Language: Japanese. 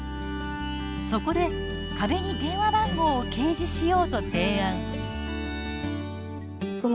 そこで壁に電話番号を掲示しようと提案。